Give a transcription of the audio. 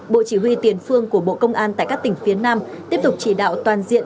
bộ chỉ huy tiền phương của bộ công an tại các tỉnh phía nam tiếp tục chỉ đạo toàn diện